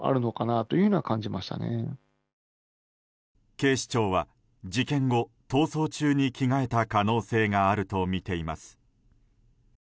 警視庁は、事件後逃走中に着替えた可能性があるとみています。